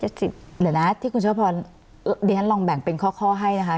เดี๋ยวนะที่คุณเชื้อพรดิฉันลองแบ่งเป็นข้อให้นะคะ